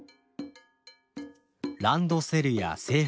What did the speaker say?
ランドセルや制服